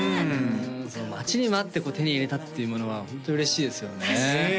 その待ちに待ってこう手に入れたっていうものはホント嬉しいですよねねえ